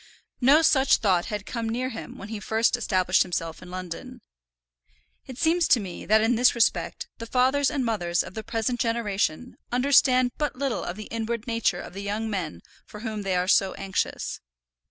No such thought had come near him when he first established himself in London. It seems to me that in this respect the fathers and mothers of the present generation understand but little of the inward nature of the young men for whom they are so anxious.